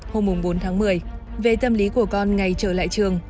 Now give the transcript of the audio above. hôm bốn tháng một mươi về tâm lý của con ngày trở lại trường